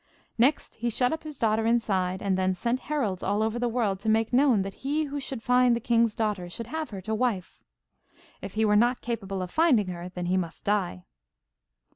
Next he shut up his daughter inside, and then sent heralds all over the world to make known that he who should find the king's daughter should have her to wife. If he were not capable of finding her then he must die.